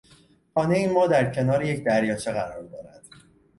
خانهی ما در کنار یک دریاچه قرار دارد.